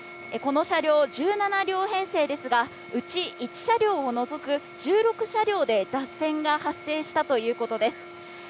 この車両、１７両編成ですが、うち１車両を除く、１６車両で脱線が発生したということです。